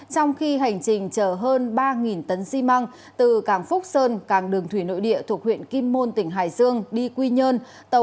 trong khi hành trình chở hơn ba tấn xi măng từ cảng phúc sơn càng đường thủy nội địa thuộc huyện kim môn tỉnh hải dương đi quy nhơn